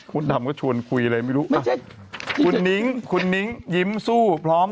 ดำก็ชวนคุยอะไรไม่รู้อ่ะคุณนิ้งคุณนิ้งยิ้มสู้พร้อม